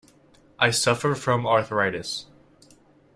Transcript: I suffer from arthritis.